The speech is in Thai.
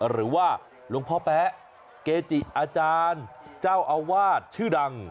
หรือว่าหลวงพ่อแป๊ะเกจิอาจารย์เจ้าอาวาสชื่อดัง